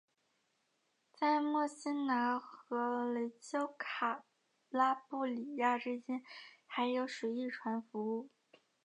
在墨西拿和雷焦卡拉布里亚之间还有水翼船服务。